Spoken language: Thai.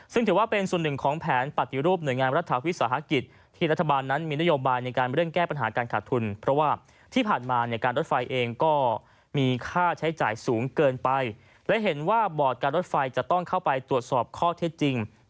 ซึ่งถือว่าเป็นส่วนหนึ่งของแผนปฏิรูปหน่วยงานรัฐฐาวิทยาศาสตร์ฮากิจ